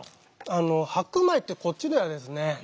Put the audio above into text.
あの白米ってこっちではですね